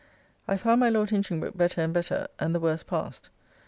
I found my Lord Hinchingbroke better and better, and the worst past.